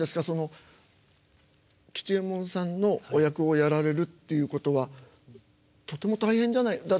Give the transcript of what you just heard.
その吉右衛門さんのお役をやられるっていうことはとても大変じゃない？